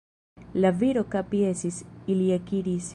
La viro kapjesis, ili ekiris.